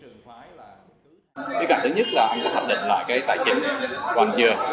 cái cạnh thứ nhất là anh có phát định lại cái tài chính của anh chưa